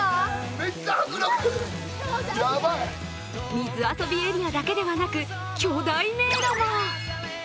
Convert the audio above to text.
水遊びエリアだけではなく巨大迷路も。